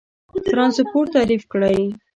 ترانسپورت تعریف کړئ.